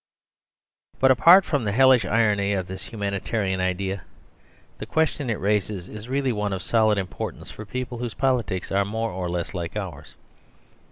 But apart from the hellish irony of this humanitarian idea, the question it raises is really one of solid importance for people whose politics are more or less like ours.